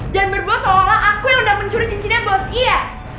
dan berbohong seolah olah aku yang udah mencuri cincinnya bos iya